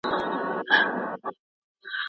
له خپلې مینې سره.